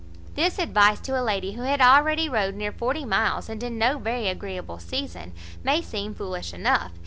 This advice to a lady who had already rode near forty miles, and in no very agreeable season, may seem foolish enough.